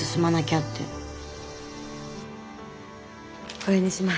これにします。